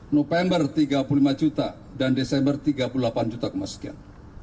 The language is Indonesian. november tiga puluh lima juta dan desember tiga puluh delapan juta sekian